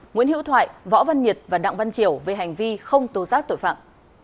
nguyễn hữu thoại võ văn nhiệt và đặng văn triểu về hành vi không tố giác tội phạm